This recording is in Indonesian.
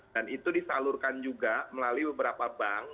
dan itu disalurkan juga melalui beberapa bank